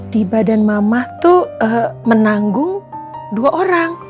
di badan mama tuh menanggung dua orang